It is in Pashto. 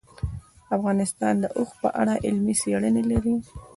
افغانستان د اوښ په اړه علمي څېړنې لري.